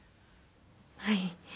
はい。